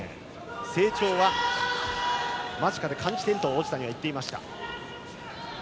成長は間近で感じていると王子谷は言っていました。